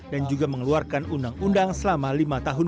juga mengeluarkan undang undang selama lima tahun